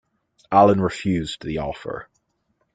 Allen refused the offer.